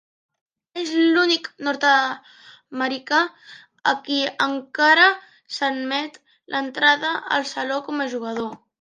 És l'únic nord-americà a qui encara s'admet l'entrada al saló com a jugador.